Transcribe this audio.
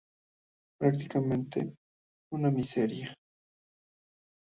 Prácticamente una miseria.